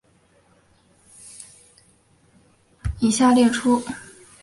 以下列出美国职棒大联盟美联历年在担任指定打击这个位置时获得银棒奖的球员。